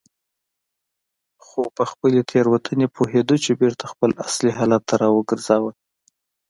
خو په خپلې تېروتنې پوهېدو یې بېرته خپل اصلي حالت ته راوګرځاوه.